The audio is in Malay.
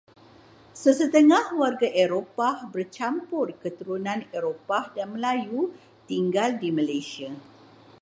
Sesetengah warga Eropah bercampur keturunan Eropah dan Melayu tinggal di Malaysia.